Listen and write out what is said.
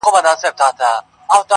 چي مغلوبه سي تیاره رڼا ځلېږي-